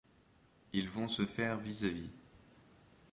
Ils vont se faire vis-à-vis.